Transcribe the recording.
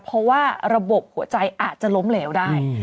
เพราะว่าระบบหัวใจอาจจะล้มเหลวได้